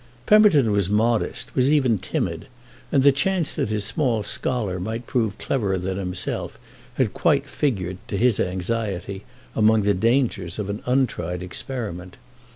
Pemberton was modest, was even timid; and the chance that his small scholar might prove cleverer than himself had quite figured, to his anxiety, among the dangers of an untried experiment.